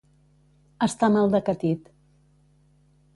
Estar mal decatit.